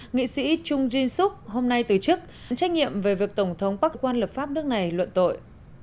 nghị sĩ chung jin suk hôm nay từ chức dẫn trách nhiệm về việc tổng thống park kwon lập pháp nước này luận tội